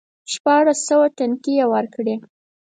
شپاړس سوه ټنګې یې ورکړې.